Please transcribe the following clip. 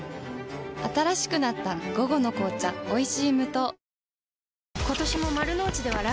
新しくなった「午後の紅茶おいしい無糖」